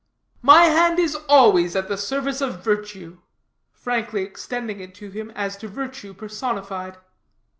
"My hand is always at the service of virtue," frankly extending it to him as to virtue personified.